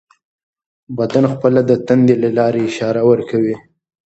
بدن خپله د تندې له لارې اشاره ورکوي.